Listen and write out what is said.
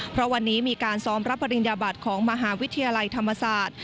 เพราะวันนี้มีการซ้อมรับปริญญาบัติของมหาวิทยาลัยธรรมศาสตร์